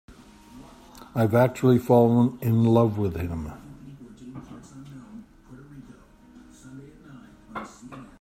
I've actually fallen in love with him.